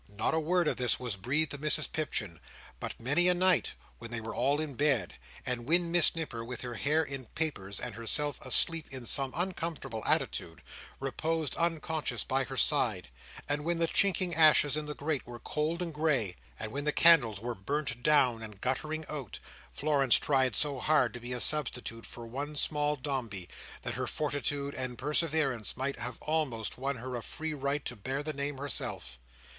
Not a word of this was breathed to Mrs Pipchin: but many a night when they were all in bed, and when Miss Nipper, with her hair in papers and herself asleep in some uncomfortable attitude, reposed unconscious by her side; and when the chinking ashes in the grate were cold and grey; and when the candles were burnt down and guttering out;—Florence tried so hard to be a substitute for one small Dombey, that her fortitude and perseverance might have almost won her a free right to bear the name herself.